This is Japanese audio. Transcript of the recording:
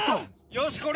よしこれ。